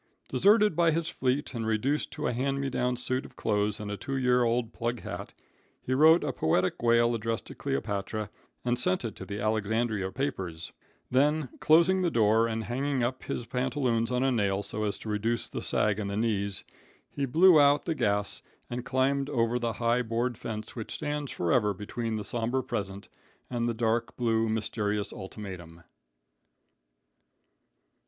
Deserted by his fleet, and reduced to a hand me down suit of clothes and a two year old plug hat, he wrote a poetic wail addressed to Cleopatra and sent it to the Alexandria papers; then, closing the door and hanging up his pantaloons on a nail so as to reduce the sag in the knees, he blew out the gas and climbed over the high board fence which stands forever between the sombre present and the dark blue, mysterious ultimatum.